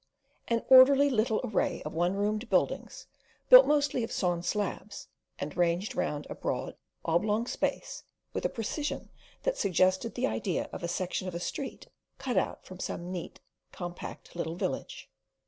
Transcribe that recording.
An orderly little array of one roomed buildings, mostly built of sawn slabs, and ranged round a broad oblong space with a precision that suggested the idea of a section of a street cut out from some neat compact little village.